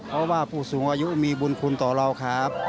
เพราะว่าผู้สูงอายุมีบุญคุณต่อเราครับ